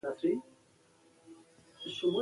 په افغانستان کې کابل سیند د ژوند په کیفیت تاثیر کوي.